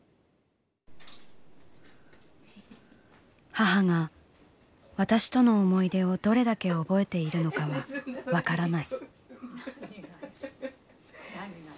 「母が私との思い出をどれだけ覚えているのかは分からない」。